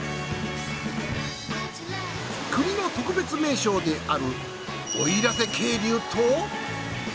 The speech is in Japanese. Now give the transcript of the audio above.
国の特別名勝である奥入瀬渓流と。